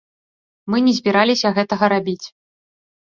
Мы не збіраліся гэтага рабіць.